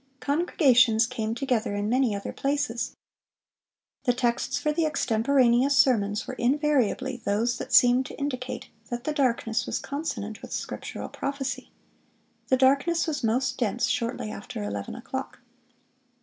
Congregations came together in many other places. The texts for the extemporaneous sermons were invariably those that seemed to indicate that the darkness was consonant with scriptural prophecy.... The darkness was most dense shortly after eleven o'clock."